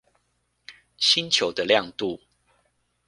星球的亮度